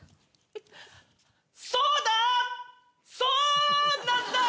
「そうだそうなんだ」